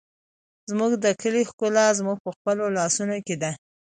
زموږ د کلي ښکلا زموږ په خپلو لاسونو کې ده.